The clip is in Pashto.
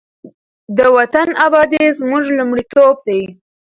د وطن ابادي زموږ لومړیتوب دی.